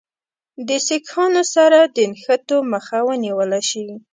له سیکهانو سره د نښتو مخه ونیوله شي.